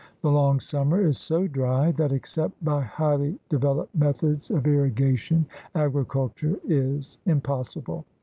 The long summer is so dry that, except by highly developed methods of irrigation, agricul ture is impossible.